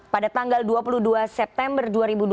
pada tanggal dua puluh dua september dua ribu dua puluh